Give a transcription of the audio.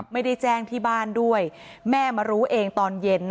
ไม่ได้แจ้งที่บ้านด้วยแม่มารู้เองตอนเย็น